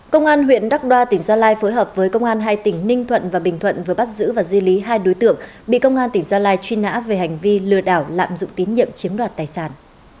công an huyện đắk đoa tỉnh gia lai phối hợp với công an hai tỉnh ninh thuận và bình thuận vừa bắt giữ và di lý hai đối tượng bị công an tỉnh gia lai truy nã về hành vi lừa đảo lạm dụng tín nhiệm chiếm đoạt tài sản